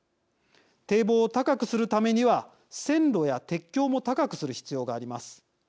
堤防を高くするためには線路や鉄橋も高くする必要があります。